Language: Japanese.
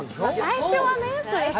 最初はね。